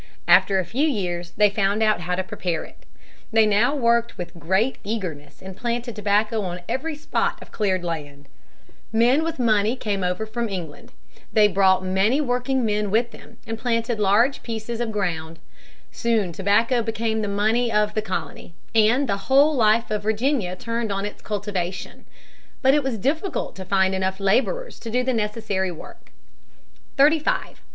After a few years they found out how to prepare it. They now worked with great eagerness and planted tobacco on every spot of cleared land. Men with money came over from England. They brought many workingmen with them and planted large pieces of ground. Soon tobacco became the money of the colony, and the whole life of Virginia turned on its cultivation. But it was difficult to find enough laborers to do the necessary work. [Sidenote: White servants.] [Sidenote: Criminals.] [Sidenote: Negro slaves, 1619.] 35.